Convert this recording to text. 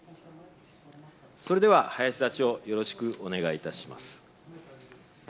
それでは林座長、よろしくお願いいたします。